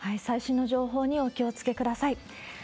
最新の情報にお気をつけください。